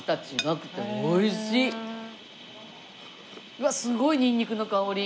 うわっすごいニンニクの香り。